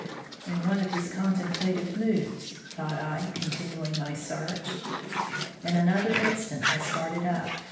"In one of his contemplative moods," thought I, continuing my search. In another instant I started up.